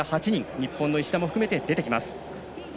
日本の石田も含めて出てきます。